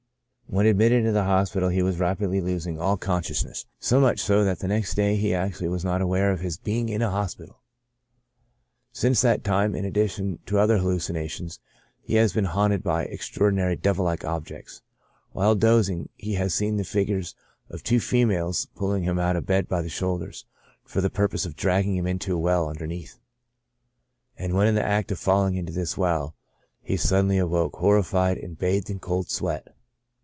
When admitted into the hospital he was rapidly losing all ^6 CHRONIC ALCOHOLISM. consciousness, so much so, that the next day he actually was not aware of his being in an hospital. Since that time, in addition to the other hallucinations, he has been haunted by extraordinary devil like objects. While dozing, he has seen the figures of two females pulling him out of bed by the shoulders, for the purpose of dragging him into a well underneath; and when in the act of falling into this well, he suddenly awoke, horrified, and bathed in cold sweat.